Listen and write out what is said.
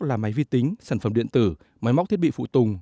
hàn quốc là máy vi tính sản phẩm điện tử máy móc thiết bị phụ tùng